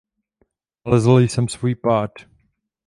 Nalezl jsem svůj pád.